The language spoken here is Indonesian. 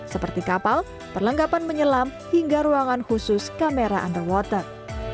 seperti kapal perlengkapan menyelam hingga ruangan khusus kamera underwater